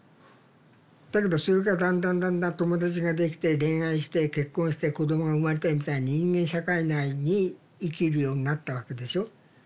だけどそれがだんだんだんだん友達ができて恋愛して結婚して子供が生まれてみたいに人間社会内に生きるようになったわけでしょ。